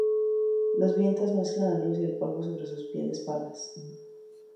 Los vientos mezclan la luz y el polvo sobre sus pieles pardas.